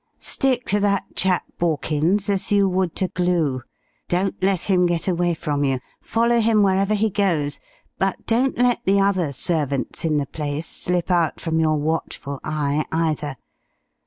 Stick to that chap Borkins as you would to glue. Don't let him get away from you. Follow him wherever he goes, but don't let the other servants in the place slip out from your watchful eye, either.